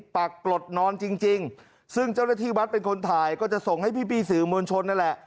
ปรากฏนอนจริงซึ่งเจ้าหน้าที่วัดเป็นคนถ่ายก็จะส่งให้พี่สื่อมวลชนนั่นแหละ